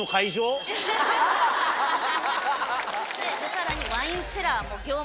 さらに。